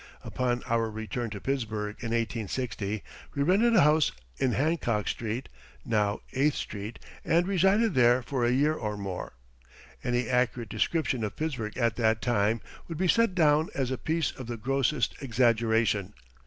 Upon our return to Pittsburgh in 1860 we rented a house in Hancock Street, now Eighth Street, and resided there for a year or more. Any accurate description of Pittsburgh at that time would be set down as a piece of the grossest exaggeration.